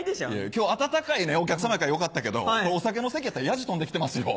今日温かいお客様やからよかったけどお酒の席やったらやじ飛んで来てますよ。